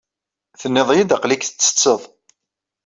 Tenniḍ-iyi-d aql-ik tsetteḍ.